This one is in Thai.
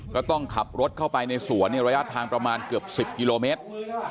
ก็ต้องขับรถเข้าไปในสวนในระยะทางประมาณเกือบ๑๐กิโลเมตร